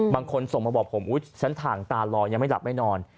บางคนส่งมาบอกผมอุ๊ยฉันถ่างตาลอยยังไม่หลับไม่นอน